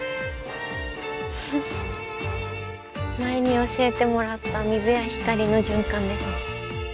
前に教えてもらった水や光の循環ですね。